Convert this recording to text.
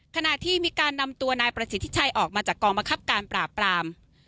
ขณะที่มีการนำตัวนายประสิทธิชัยออกมาจากกองบังคับการปราบปราม